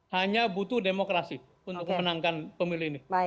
hanya butuh demokrasi untuk menangkan pemilih ini